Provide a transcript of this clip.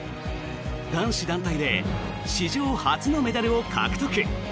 男子団体で史上初のメダルを獲得。